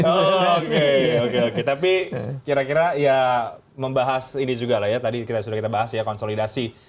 oke oke tapi kira kira ya membahas ini juga lah ya tadi sudah kita bahas ya konsolidasi